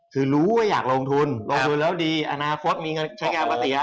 คือรู้ว่าอยากลงทุนลงทุนแล้วดีอนาคตมีเงินใช้งานปกติ